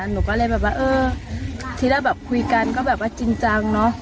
หนูก็เลยแบบว่าเออทีแรกแบบคุยกันก็แบบว่าจริงจังเนอะ